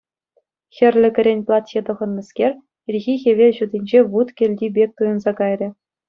Хӗрлӗ кӗрен платье тӑхӑннӑскер, ирхи хӗвел ҫутинче вут кӗлти пек туйӑнса кайрӗ.